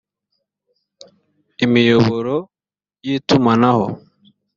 imiyoboro y’itumanaho